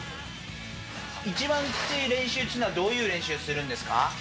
一番きつい練習というのは、どういう練習をするんですか？